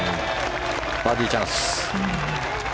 バーディーチャンス。